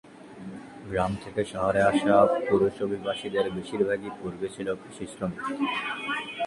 গ্রাম থেকে শহরে আসা পুরুষ অভিবাসীদের বেশিরভাগই পূর্বে ছিল কৃষিশ্রমিক।